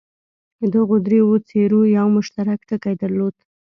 دغو دریو څېرو یو مشترک ټکی درلود.